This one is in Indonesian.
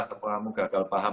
ya sudah lah kamu gagal paham